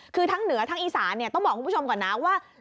คือทั้งเหนือทั้งอีสานเนี่ยต้องบอกคุณผู้ชมก่อนนะว่า